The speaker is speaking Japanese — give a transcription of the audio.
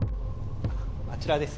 あちらです。